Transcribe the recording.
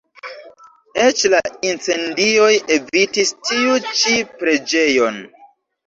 Eĉ la incendioj evitis tiu ĉi preĝejon.